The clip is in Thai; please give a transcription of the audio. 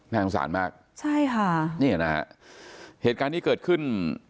น่าสงสารมากใช่ค่ะนี่นะฮะเหตุการณ์นี้เกิดขึ้น